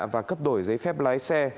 và cấp đổi giấy phép lái xe